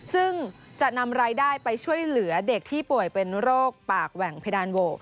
ซึ่งจะนำรายได้ไปช่วยเหลือเด็กที่ป่วยเป็นโรคปากแหว่งเพดานโหว